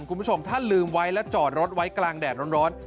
งานท่านลืมไว้และจอดรถไว้กลางแดดร้อน